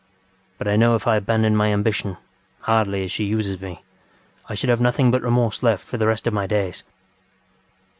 But I know if I abandoned my ambitionŌĆöhardly as she uses meŌĆöI should have nothing but remorse left for the rest of my days.